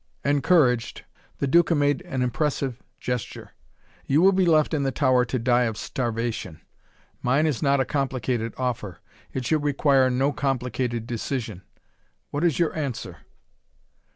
Encouraged, the Duca made an impressive gesture. "You will be left in the tower to die of starvation. Mine is not a complicated offer. It should require no complicated decision. What is your answer?"